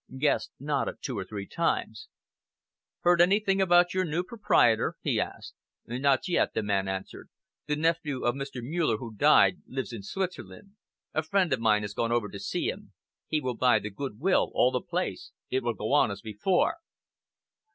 Guest nodded two or three times. "Heard anything about your new proprietor?" he asked. "Not yet," the man answered. "The nephew of Mr. Muller, who died, lives in Switzerland. A friend of mine has gone over to see him. He will buy the good will all the place. It will go on as before."